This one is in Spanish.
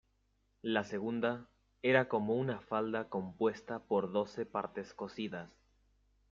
La segunda, era como una falda compuesta por doce partes cosidas.